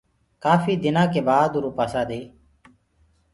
ڪآڦي دنآ ڪي بآد اُرو پآسآ دي